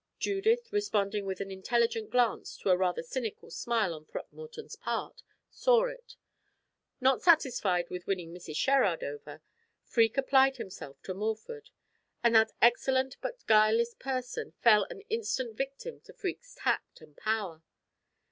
Judith, responding with an intelligent glance to a rather cynical smile on Throckmorton's part, saw it. Not satisfied with winning Mrs. Sherrard over, Freke applied himself to Morford, and that excellent but guileless person fell an instant victim to Freke's tact and power.